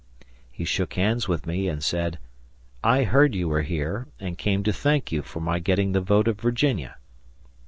He shook hands with me, and said, "I heard you were here, and came to thank you for my getting the vote of Virginia."